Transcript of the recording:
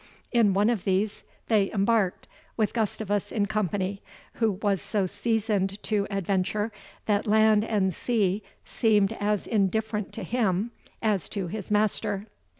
In one of these they embarked, with Gustavus in company, who was so seasoned to adventure, that land and sea seemed as indifferent to him as to his master.